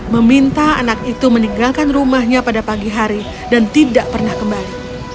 meminta anak itu meninggalkan rumahnya pada pagi hari dan tidak pernah kembali